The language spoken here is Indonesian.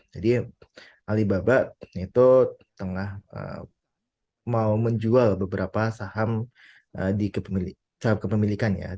jadi alibaba itu tengah mau menjual beberapa saham di kepemilikan